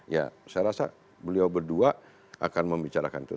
ya saya rasa beliau berdua akan membicarakan itu